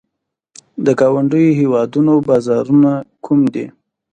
د ګاونډیو هیوادونو بازارونه کوم دي؟